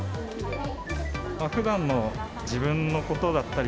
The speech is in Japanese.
ふだんの自分のことだったり